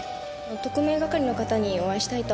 特命係の方にお会いしたいと。